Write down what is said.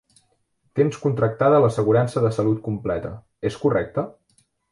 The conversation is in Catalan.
Tens contractada l'assegurança de salut completa, és correcte?